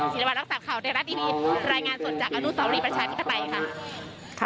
สิรวรรณรักษาข่าวในรัฐอินิตรายงานส่วนจากอนุสาวรีประชาธิตไตรค่ะ